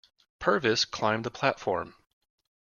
Purvis climbed the platform.